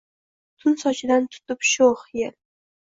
Tun sochidan tutib sho’x yel